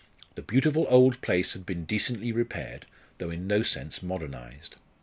The beautiful old place had been decently repaired, though in no sense modernised.